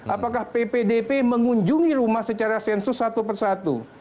apakah ppdp mengunjungi rumah secara sensus satu persatu